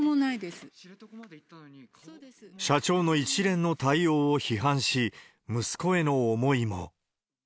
社長の一連の対応を批判し、息子への思いも。